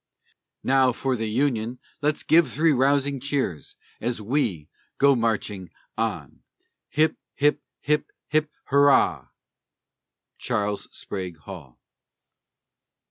Now for the Union let's give three rousing cheers, As we go marching on. Hip, hip, hip, hip, Hurrah! CHARLES SPRAGUE HALL.